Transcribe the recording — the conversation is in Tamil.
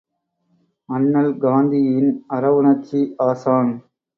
அண்ணல் காந்தியின் அறவுணர்ச்சி ஆசான்!